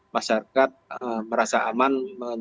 masyarakat merasa aman